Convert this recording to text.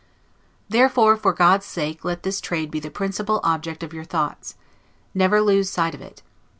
Therefore, for God's sake, let this trade be the principal object of your thoughts; never lose sight of it.